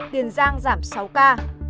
tiền giang giảm sáu ca